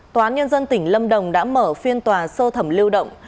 tòa án nhân dân tỉnh lâm đồng đã mở phiên tòa sơ thẩm lưu động